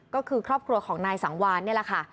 ก็คือครอบครัวของนายสังวานนี่แหละค่ะ